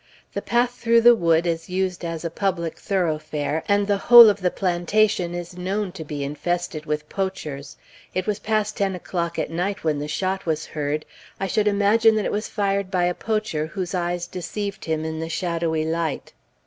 The path through the wood is used as a public thoroughfare, and the whole of the plantation is known to be infested with poachers. It was past ten o'clock at night when the shot was heard. I should imagine that it was fired by a poacher, whose eyes deceived him in the shadowy light."